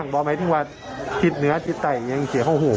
งูรำตัวติดทางดีกว่าครับ